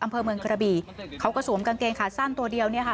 อำเภอเมืองกระบี่เขาก็สวมกางเกงขาสั้นตัวเดียวเนี่ยค่ะ